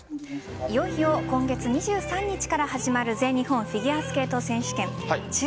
いよいよ今月２３日から始まる全日本フィギュアスケート選手権。